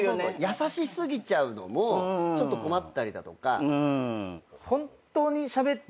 優し過ぎちゃうのもちょっと困ったりだとか。